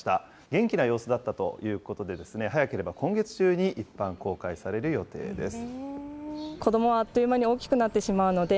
元気な様子だったということで、早ければ今月中に一般公開される予定です。